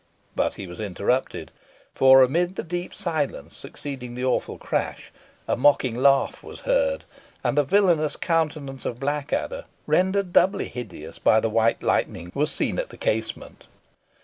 But he was interrupted; for amid the deep silence succeeding the awful crash, a mocking laugh was heard, and the villainous countenance of Blackadder, rendered doubly hideous by the white lightning, was seen at the casement.